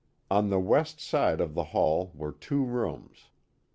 On the west side of the hall were two rooms.